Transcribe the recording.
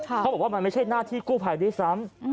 เขาบอกว่ามันไม่ใช่หน้าที่กู้ภัยด้วยซ้ำ